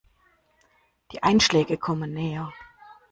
Die Einschläge kommen näher.